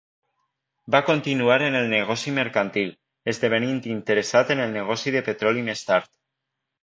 Va continuar en el negoci mercantil, esdevenint interessat en el negoci de petroli més tard.